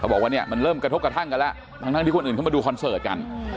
บอกว่าเนี่ยมันเริ่มกระทบกระทั่งกันแล้วทั้งที่คนอื่นเข้ามาดูคอนเสิร์ตกัน